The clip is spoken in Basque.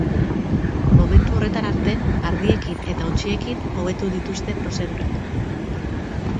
Momentu horretararte, ardiekin eta untxiekin hobetu dituzte prozedurak.